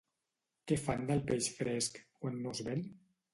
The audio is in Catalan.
Què fan del peix fresc quan no es ven?